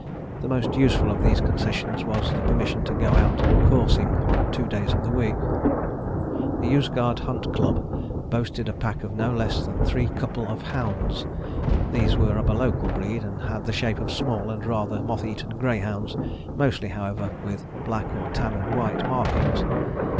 The most useful of these concessions was the permission to go out coursing on two days a week. The "Yozgad Hunt Club" boasted a pack of no less than three couple of "hounds." These were of a local breed, and had the shape of small and rather moth eaten greyhounds, mostly, however, with black, or tan and white, markings.